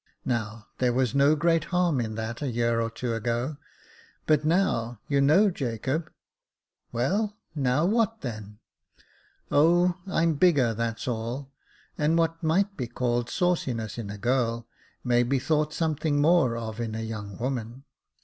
Now, there was no great harm in that a year or two ago : but now, you know, Jacob "" Well, now, what then ?"" O, I'm bigger, that's all ; and what might be called sauciness in a girl may be thought something more of in a young woman.